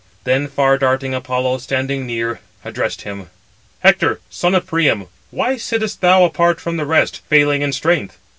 Then far darting Apollo, standing near, addressed him: "Hector, son of Priam, why sittest thou apart from the rest, failing in strength?